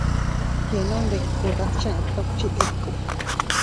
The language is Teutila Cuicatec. Yenondikutas chet dukchita ikku.